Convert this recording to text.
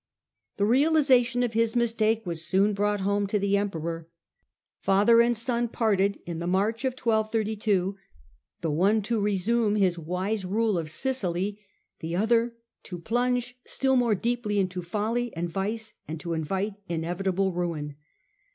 The realisation of his mistake was soon brought home to the Emperor. Father and son parted in the March of 1232, the one to resume his wise rule of Sicily, the other to plunge still more deeply into folly and vice and to invite inevitable ruin.